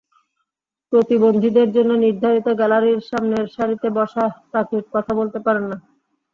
প্রতিবন্ধীদের জন্য নির্ধারিত গ্যালারির সামনের সারিতে বসা রাকিব কথা বলতে পারেন না।